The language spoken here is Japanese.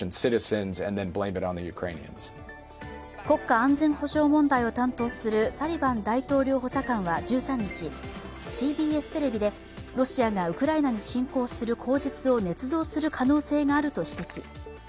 国家安全保障問題を担当するサリバン大統領補佐官は１３日、ＣＢＳテレビでロシアがウクライナに侵攻する口実をねつ造する可能性があると指摘。